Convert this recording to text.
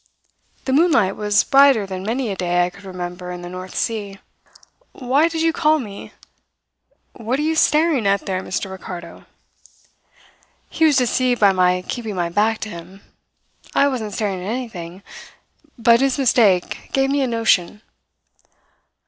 The moonlight was brighter than many a day I could remember in the North Sea. "'Why did you call me? What are you staring at out there, Mr. Ricardo?' "He was deceived by my keeping my back to him. I wasn't staring at anything, but his mistake gave me a notion.